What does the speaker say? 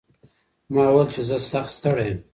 ما وویل چې زه سخت ستړی یم.